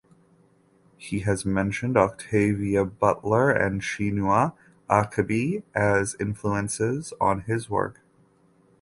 He has mentioned Octavia Butler and Chinua Achebe as influences on his work.